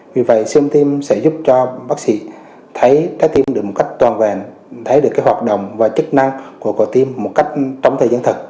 vì vậy siêu âm tim sẽ giúp cho bác sĩ thấy cái tim được một cách toàn vẹn thấy được cái hoạt động và chức năng của cơ tim một cách trong thời gian thật